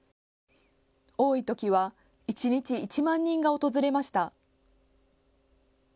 多いときは一日１万人が訪れました。